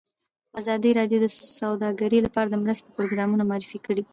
ازادي راډیو د سوداګري لپاره د مرستو پروګرامونه معرفي کړي.